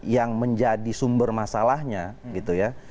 yang menjadi sumber masalahnya gitu ya